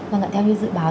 và ngạn theo như dự báo